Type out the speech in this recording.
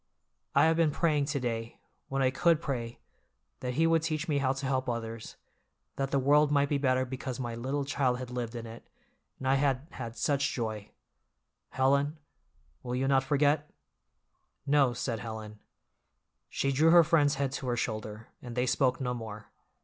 I have been praying to day, when I could pray, that He would teach me how to help others, that the world might be better because my little child had lived in it, and I had had such joy. Helen, you will not forget?" "No," said Helen. She drew her friend's head to her shoulder, and they spoke no more.